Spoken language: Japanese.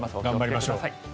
頑張りましょう。